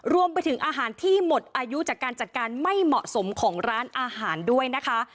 รวมไปถึงอาหารที่หมดอายุจากการจัดการไม่เหมาะสมของร้านอาหารด้วยนะคะ